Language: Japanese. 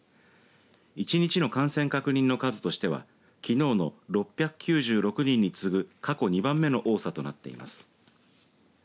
１日の感染確認の数としてはきのうの６９６人に次ぐ過去２番目の多さとなっています。